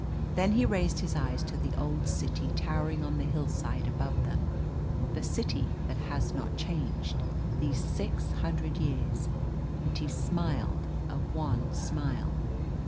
Then he raised his eyes to the old city towering on the hillside above them, the city that has not changed these six hundred years, and he smiled a wan smile.